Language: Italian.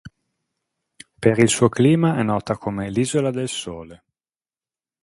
Per il suo clima è nota come "l'isola del sole".